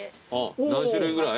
何種類ぐらい？